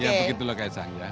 ya begitulah kaisang ya